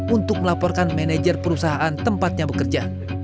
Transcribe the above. untuk melaporkan manajer perusahaan tempatnya bekerja